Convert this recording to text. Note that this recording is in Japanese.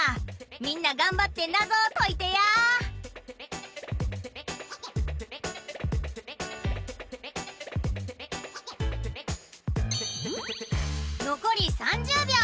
みんながんばってなぞをといてやのこり３０びょう。